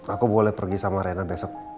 aku boleh pergi sama rena besok